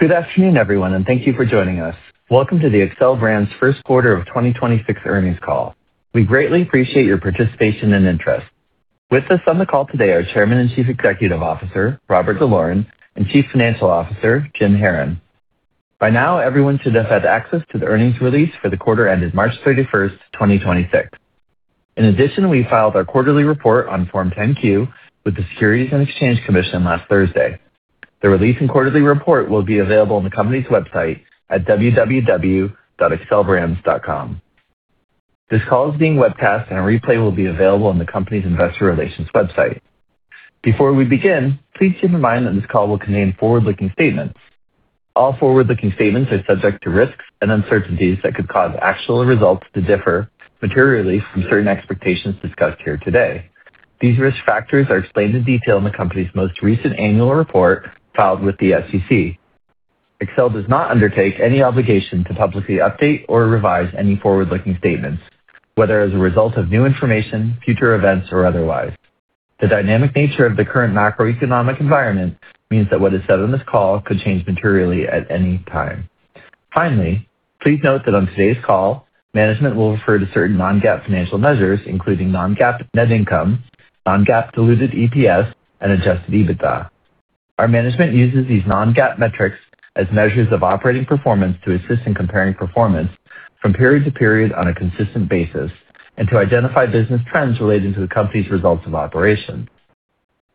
Good afternoon, everyone, and thank you for joining us. Welcome to the Xcel Brands First Quarter of 2026 Earnings Call. We greatly appreciate your participation and interest. With us on the call today are Chairman and Chief Executive Officer, Robert D'Loren, and Chief Financial Officer, Jim Haran. By now, everyone should have had access to the earnings release for the quarter ended March 31st, 2026. In addition, we filed our quarterly report on Form 10-Q with the Securities and Exchange Commission last Thursday. The release and quarterly report will be available on the company's website at www.xcelbrands.com. This call is being webcast, and a replay will be available on the company's investor relations website. Before we begin, please keep in mind that this call will contain forward-looking statements. All forward-looking statements are subject to risks and uncertainties that could cause actual results to differ materially from certain expectations discussed here today. These risk factors are explained in detail in the company's most recent annual report filed with the SEC. Xcel does not undertake any obligation to publicly update or revise any forward-looking statements, whether as a result of new information, future events, or otherwise. The dynamic nature of the current macroeconomic environment means that what is said on this call could change materially at any time. Please note that on today's call, management will refer to certain non-GAAP financial measures, including non-GAAP net income, non-GAAP diluted EPS, and Adjusted EBITDA. Our management uses these non-GAAP metrics as measures of operating performance to assist in comparing performance from period to period on a consistent basis and to identify business trends relating to the company's results of operation.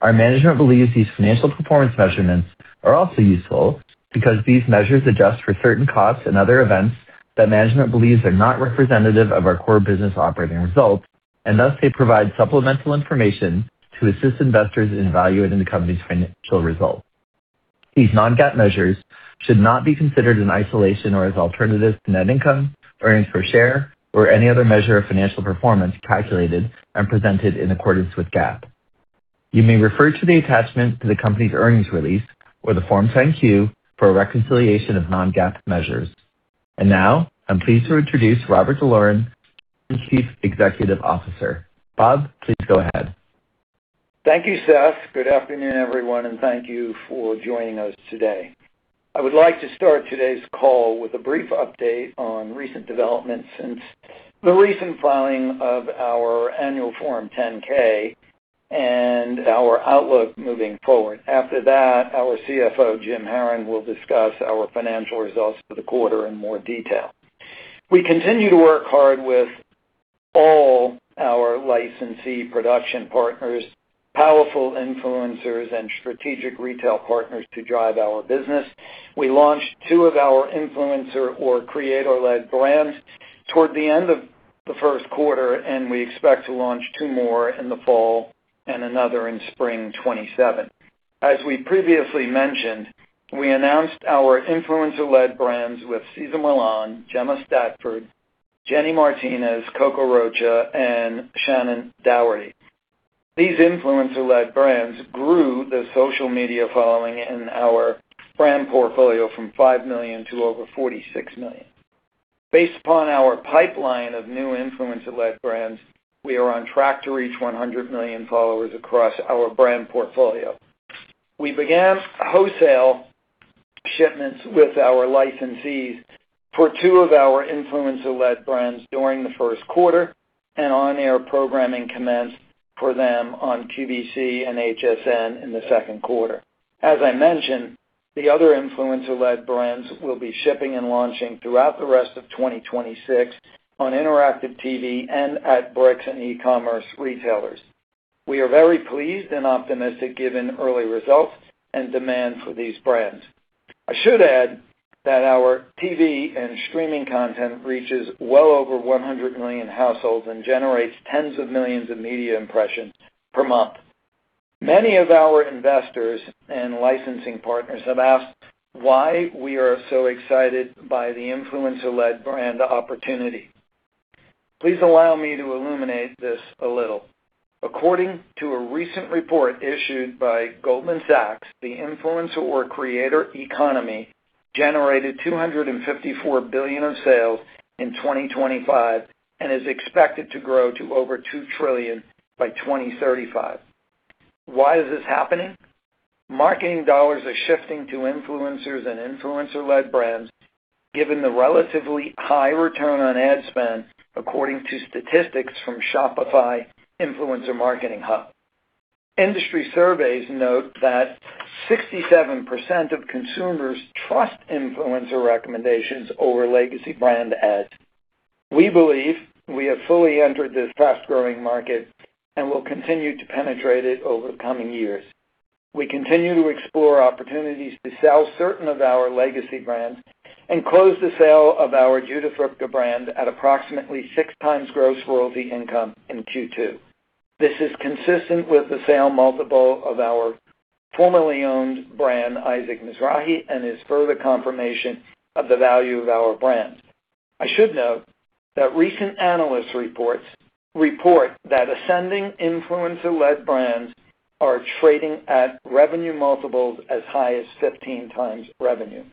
Our management believes these financial performance measurements are also useful because these measures adjust for certain costs and other events that management believes are not representative of our core business operating results, and thus they provide supplemental information to assist investors in evaluating the company's financial results. These non-GAAP measures should not be considered in isolation or as alternatives to net income, earnings per share, or any other measure of financial performance calculated and presented in accordance with GAAP. You may refer to the attachment to the company's earnings release or the Form 10-Q for a reconciliation of non-GAAP measures. Now I'm pleased to introduce Robert D'Loren, Chief Executive Officer. Bob, please go ahead. Thank you, Seth. Good afternoon, everyone, and thank you for joining us today. I would like to start today's call with a brief update on recent developments since the recent filing of our annual Form 10-K and our outlook moving forward. After that, our CFO, Jim Haran, will discuss our financial results for the quarter in more detail. We continue to work hard with all our licensee production partners, powerful influencers, and strategic retail partners to drive our business. We launched two of our influencer or creator-led brands toward the end of the first quarter, and we expect to launch two more in the fall and another in spring 2027. As we previously mentioned, we announced our influencer-led brands with Cesar Millan, Gemma Stafford, Jenny Martinez, Coco Rocha, and Shannon Doherty. These influencer-led brands grew the social media following in our brand portfolio from 5 million to over 46 million. Based upon our pipeline of new influencer-led brands, we are on track to reach 100 million followers across our brand portfolio. We began wholesale shipments with our licensees for two of our influencer-led brands during the first quarter and on-air programming commenced for them on QVC and HSN in the second quarter. As I mentioned, the other influencer-led brands will be shipping and launching throughout the rest of 2026 on interactive TV and at bricks and e-commerce retailers. We are very pleased and optimistic given early results and demand for these brands. I should add that our TV and streaming content reaches well over 100 million households and generates tens of millions of media impressions per month. Many of our investors and licensing partners have asked why we are so excited by the influencer-led brand opportunity. Please allow me to illuminate this a little. According to a recent report issued by Goldman Sachs, the influencer or creator economy generated $254 billion of sales in 2025 and is expected to grow to over $2 trillion by 2035. Why is this happening? Marketing dollars are shifting to influencers and influencer-led brands given the relatively high return on ad spend, according to statistics from Shopify Influencer Marketing Hub. Industry surveys note that 67% of consumers trust influencer recommendations over legacy brand ads. We believe we have fully entered this fast-growing market and will continue to penetrate it over the coming years. We continue to explore opportunities to sell certain of our legacy brands and closed the sale of our Judith Ripka brand at approximately 6x gross royalty income in Q2. This is consistent with the sale multiple of our formerly owned brand, Isaac Mizrahi, and is further confirmation of the value of our brand. I should note that recent analyst reports, report that ascending influencer-led brands are trading at revenue multiples as high as 15x revenue.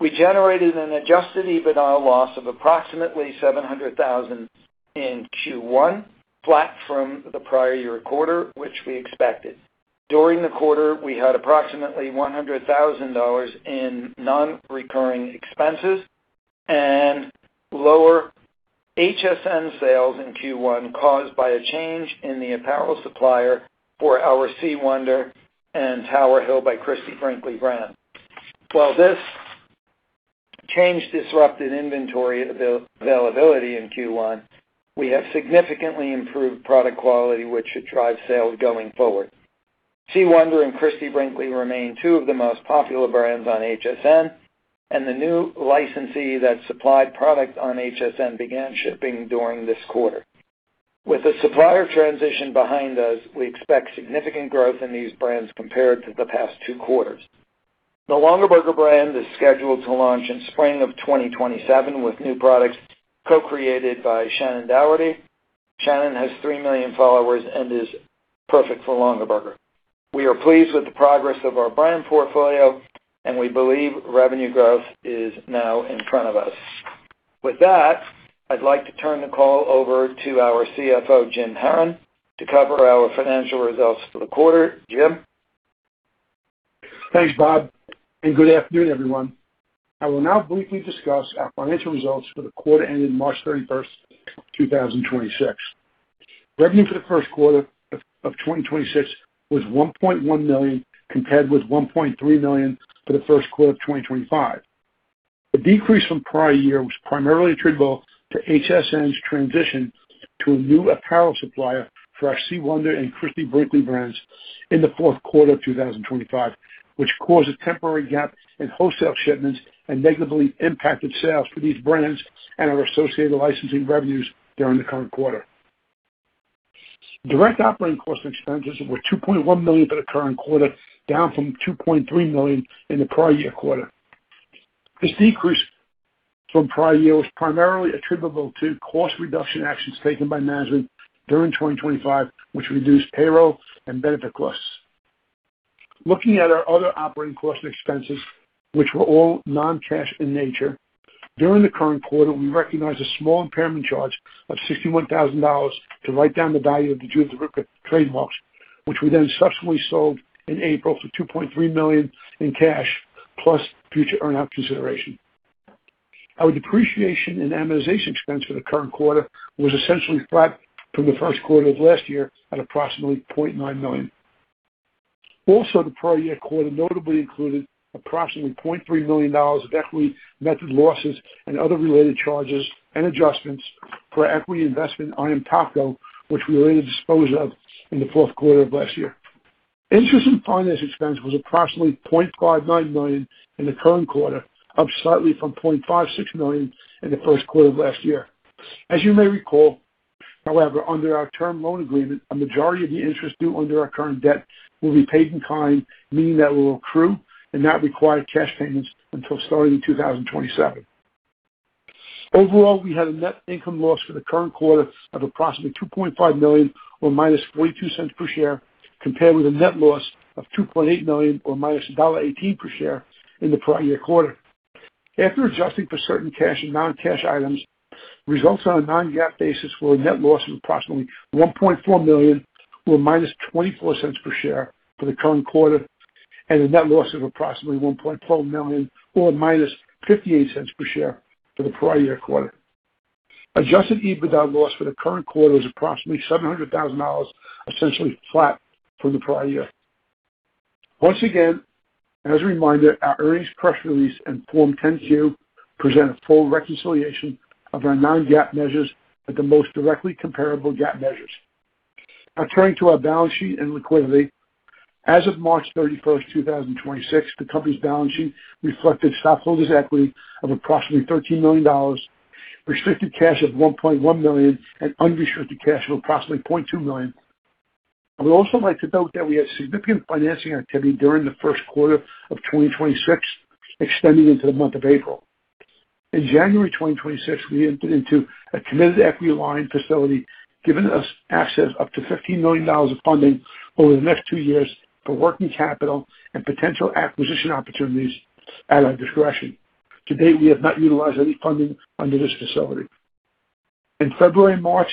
We generated an Adjusted EBITDA loss of approximately $700,000 in Q1, flat from the prior year quarter, which we expected. During the quarter, we had approximately $100,000 in non-recurring expenses and lower HSN sales in Q1 caused by a change in the apparel supplier for our C. Wonder and Tower Hill by Christie Brinkley brand. While this change disrupted inventory availability in Q1, we have significantly improved product quality, which should drive sales going forward. C. Wonder and Christie Brinkley remain two of the most popular brands on HSN, and the new licensee that supplied product on HSN began shipping during this quarter. With the supplier transition behind us, we expect significant growth in these brands compared to the past two quarters. The Longaberger brand is scheduled to launch in spring of 2027 with new products co-created by Shannon Doherty. Shannon has 3 million followers and is perfect for Longaberger. We are pleased with the progress of our brand portfolio, and we believe revenue growth is now in front of us. With that, I'd like to turn the call over to our CFO, Jim Haran, to cover our financial results for the quarter. Jim? Thanks, Robert. Good afternoon, everyone. I will now briefly discuss our financial results for the quarter ending March 31st, 2026. Revenue for the first quarter of 2026 was $1.1 million, compared with 1.3 million for the first quarter of 2025. The decrease from prior year was primarily attributable to HSN's transition to a new apparel supplier for our C. Wonder and Christie Brinkley brands in the fourth quarter of 2025, which caused a temporary gap in wholesale shipments and negatively impacted sales for these brands and our associated licensing revenues during the current quarter. Direct operating cost and expenses were $2.1 million for the current quarter, down from $2.3 million in the prior year quarter. This decrease from prior year was primarily attributable to cost reduction actions taken by management during 2025, which reduced payroll and benefit costs. Looking at our other operating costs and expenses, which were all non-cash in nature, during the current quarter, we recognized a small impairment charge of $61,000 to write down the value of the Judith Ripka trademarks, which we then subsequently sold in April for $2.3 million in cash plus future earn-out consideration. Our depreciation and amortization expense for the current quarter was essentially flat from the first quarter of last year at approximately $0.9 million. The prior year quarter notably included approximately $0.3 million of equity method losses and other related charges and adjustments for our equity investment in IM Topco, which we already disposed of in the fourth quarter of last year. Finance expense was approximately $0.59 million in the current quarter, up slightly from $0.56 million in the first quarter of last year. As you may recall, however, under our term loan agreement, a majority of the interest due under our current debt will be paid-in-kind, meaning that will accrue and not require cash payments until starting in 2027. We had a net income loss for the current quarter of approximately $2.5 million or -0.42 per share, compared with a net loss of $2.8 million or -1.18 per share in the prior year quarter. After adjusting for certain cash and non-cash items, results on a non-GAAP basis were a net loss of approximately $1.4 million or -0.24 per share for the current quarter and a net loss of approximately $1.12 million or -0.58 per share for the prior year quarter. Adjusted EBITDA loss for the current quarter was approximately $700,000, essentially flat from the prior year. Once again, as a reminder, our earnings press release and Form 10-Q present a full reconciliation of our non-GAAP measures at the most directly comparable GAAP measures. Now turning to our balance sheet and liquidity. As of March 31st, 2026, the company's balance sheet reflected stockholders' equity of approximately $13 million, restricted cash of $1.1 million, and unrestricted cash of approximately $0.2 million. I would also like to note that we had significant financing activity during the first quarter of 2026 extending into the month of April. In January 2026, we entered into a committed equity line facility, giving us access up to $15 million of funding over the next two years for working capital and potential acquisition opportunities at our discretion. To date, we have not utilized any funding under this facility. In February and March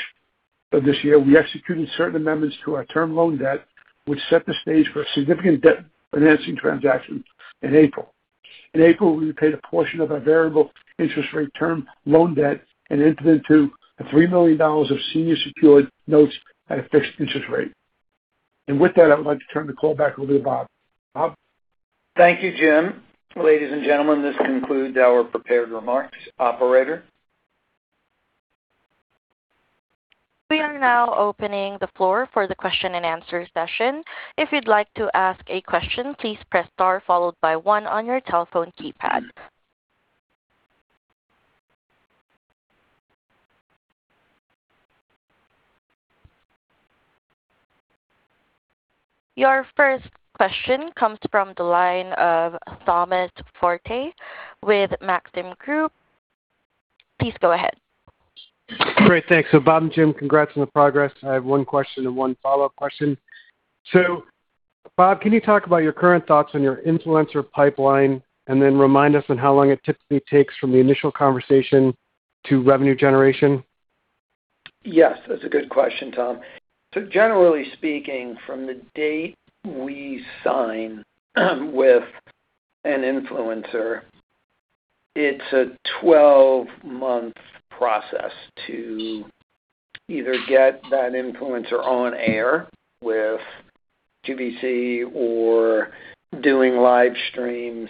of this year, we executed certain amendments to our term loan debt, which set the stage for a significant debt financing transaction in April. In April, we repaid a portion of our variable interest rate term loan debt and entered into $3 million of senior secured notes at a fixed interest rate. With that, I would like to turn the call back over to Bob. Bob? Thank you, Jim. Ladies and gentlemen, this concludes our prepared remarks. Operator? We are now opening the floor for the question-and-answer session. If you'd like to ask a question, please press star followed by one on your telephone keypad. Your first question comes from the line of Thomas Forte with Maxim Group. Please go ahead. Great. Thanks. Bob and Jim, congrats on the progress. I have one question and one follow-up question. Bob, can you talk about your current thoughts on your influencer pipeline, and then remind us on how long it typically takes from the initial conversation to revenue generation? Yes, that's a good question, Tom. Generally speaking, from the date we sign with an influencer, it's a 12-month process to either get that influencer on air with QVC or doing live streams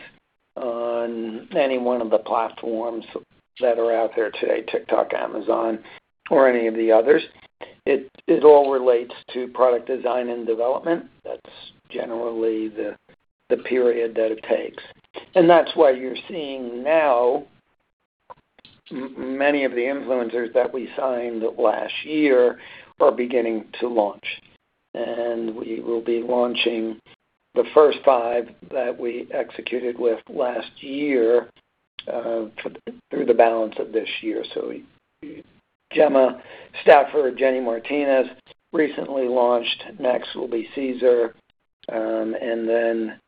on any one of the platforms that are out there today, TikTok, Amazon, or any of the others. It all relates to product design and development. That's generally the period that it takes. That's why you're seeing now many of the influencers that we signed last year are beginning to launch. We will be launching the first five that we executed with last year through the balance of this year. Gemma Stafford, Jenny Martinez recently launched. Next will be Cesar, and then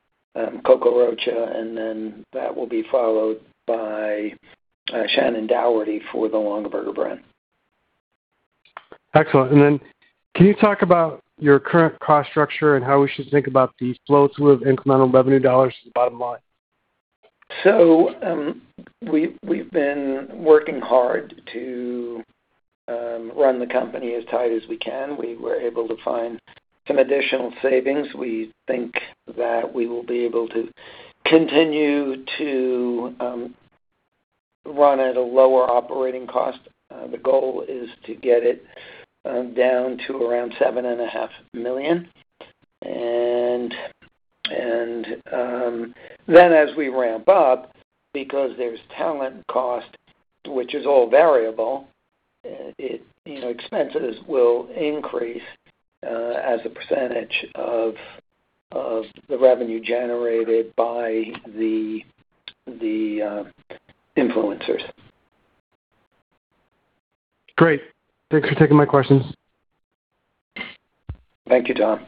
Coco Rocha, and then that will be followed by Shannon Doherty for the Longaberger brand. Excellent. Then can you talk about your current cost structure and how we should think about the flows with incremental revenue dollars to the bottom line? We've been working hard to run the company as tight as we can. We were able to find some additional savings. We think that we will be able to continue to run at a lower operating cost. The goal is to get it down to around $7.5 million. Then as we ramp up, because there's talent cost, which is all variable, it, you know, expenses will increase as a percentage of the revenue generated by the influencers. Great. Thanks for taking my questions. Thank you, Tom.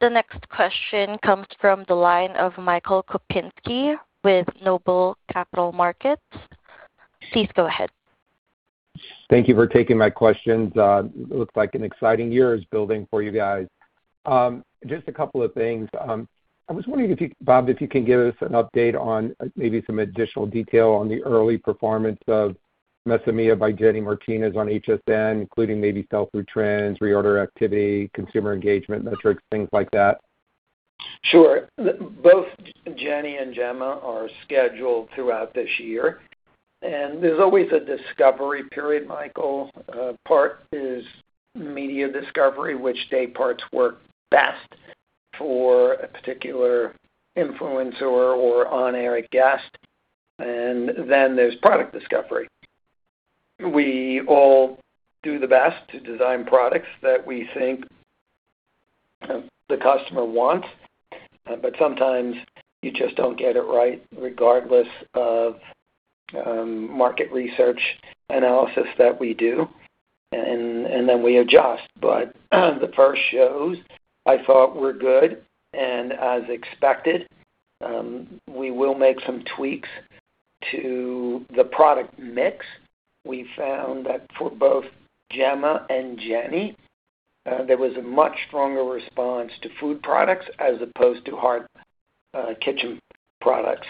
The next question comes from the line of Michael Kupinski with Noble Capital Markets. Please go ahead. Thank you for taking my questions. It looks like an exciting year is building for you guys. Just a couple of things. I was wondering if you Bob, if you can give us an update on maybe some additional detail on the early performance of Mesa Mia by Jenny Martinez on HSN, including maybe sell-through trends, reorder activity, consumer engagement metrics, things like that? Sure. Both Jenny and Gemma are scheduled throughout this year. There's always a discovery period, Michael. Part is media discovery, which day parts work best for a particular influencer or on-air guest. There's product discovery. We all do the best to design products that we think the customer wants. Sometimes you just don't get it right regardless of market research analysis that we do, and then we adjust. The first shows I thought were good. As expected, we will make some tweaks to the product mix. We found that for both Gemma and Jenny, there was a much stronger response to food products as opposed to hard kitchen products.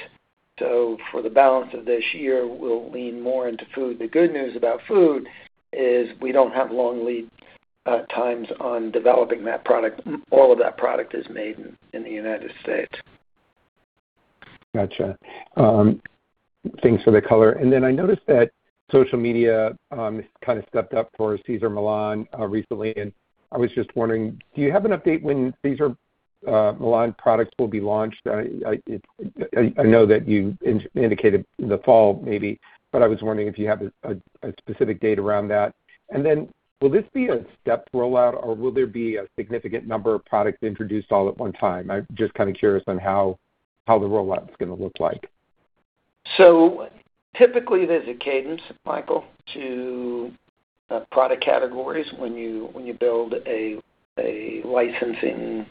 For the balance of this year, we'll lean more into food. The good news about food is we don't have long lead times on developing that product. All of that product is made in the United States. Gotcha. Thanks for the color. I noticed that social media kind of stepped up for Cesar Millan recently, and I was just wondering, do you have an update when Cesar Millan products will be launched? I know that you indicated the fall maybe, but I was wondering if you have a specific date around that. Will this be a stepped rollout or will there be a significant number of products introduced all at one time? I'm just kind of curious on how the rollout's gonna look like. Typically, there's a cadence, Michael, to product categories when you build a licensing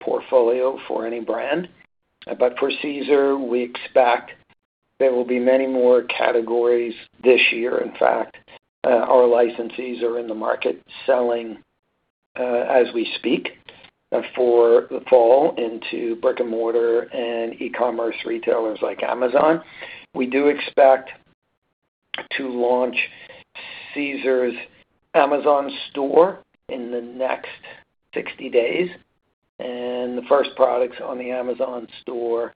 portfolio for any brand. For Cesar, we expect there will be many more categories this year. In fact, our licensees are in the market selling as we speak for the fall into brick-and-mortar and e-commerce retailers like Amazon. We do expect to launch Cesar's Amazon store in the next 60 days, and the first products on the Amazon store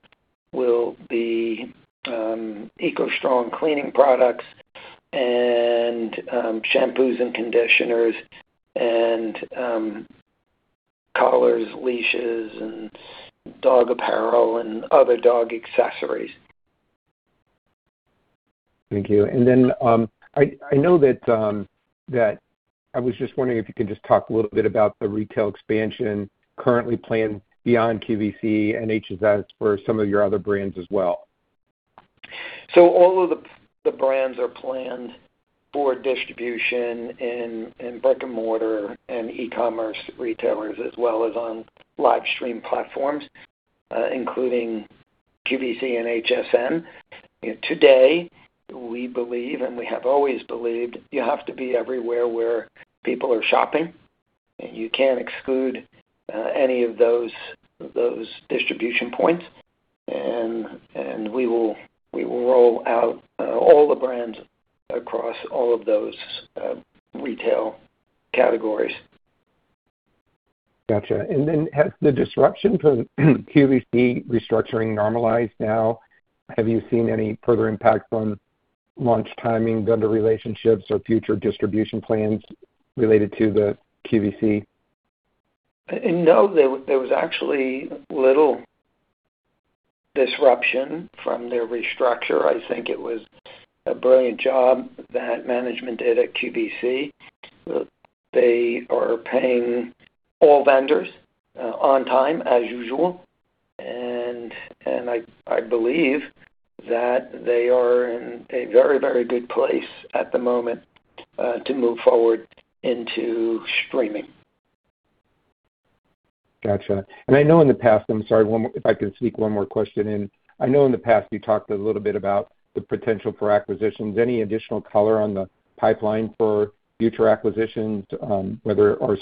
will be Eco Strong cleaning products and shampoos and conditioners and collars, leashes and dog apparel and other dog accessories. Thank you. I know that I was just wondering if you could just talk a little bit about the retail expansion currently planned beyond QVC and HSN for some of your other brands as well. All of the brands are planned for distribution in brick-and-mortar and e-commerce retailers as well as on livestream platforms, including QVC and HSN. Today, we believe, and we have always believed, you have to be everywhere where people are shopping, and you can't exclude any of those distribution points. We will roll out all the brands across all of those retail categories. Gotcha. Has the disruption from QVC restructuring normalized now? Have you seen any further impact on launch timings, vendor relationships or future distribution plans related to the QVC? No, there was actually little disruption from their restructure. I think it was a brilliant job that management did at QVC. They are paying all vendors on time as usual. I believe that they are in a very, very good place at the moment to move forward into streaming. Gotcha. I know in the past, I'm sorry, if I can sneak one more question in. I know in the past you talked a little bit about the potential for acquisitions. Any additional color on the pipeline for future acquisitions, whether or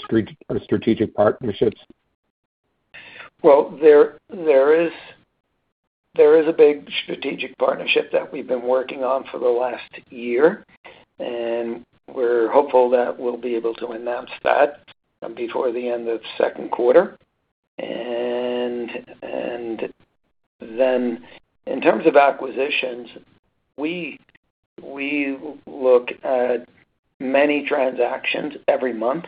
strategic partnerships? Well, there is a big strategic partnership that we've been working on for the last year, and we're hopeful that we'll be able to announce that before the end of second quarter. Then in terms of acquisitions, we look at many transactions every month,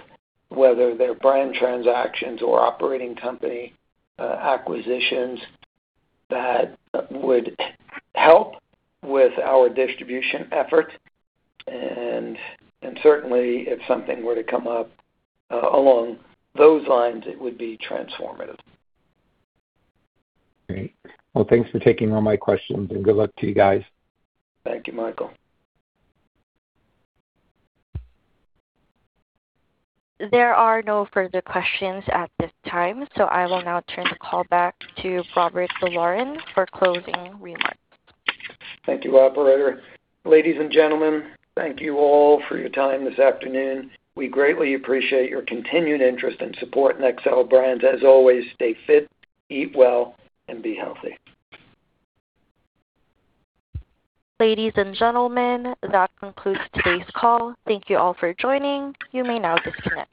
whether they're brand transactions or operating company acquisitions that would help with our distribution effort. Certainly if something were to come up along those lines, it would be transformative. Great. Well, thanks for taking all my questions, and good luck to you guys. Thank you, Michael. There are no further questions at this time. I will now turn the call back to Robert D'Loren for closing remarks. Thank you, Operator. Ladies and gentlemen, thank you all for your time this afternoon. We greatly appreciate your continued interest and support in Xcel Brands. As always, stay fit, eat well, and be healthy. Ladies and gentlemen, that concludes today's call. Thank you all for joining. You may now disconnect.